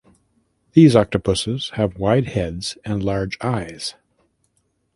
These octopuses have wide heads and large eyes.